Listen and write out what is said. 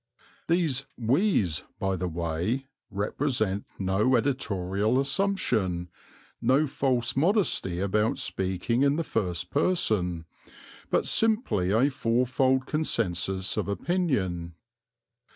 (These "we's," by the way, represent no editorial assumption, no false modesty about speaking in the first person, but simply a fourfold consensus of opinion.)